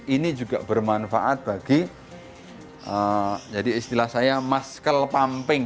ini juga bermanfaat bagi jadi istilah saya muscle pumping